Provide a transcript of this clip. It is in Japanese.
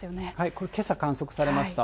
これ、けさ観測されました。